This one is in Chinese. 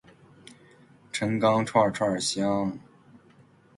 陈钢串串香